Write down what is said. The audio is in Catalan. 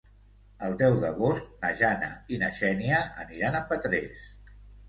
El deu d'agost na Jana i na Xènia aniran a Petrés.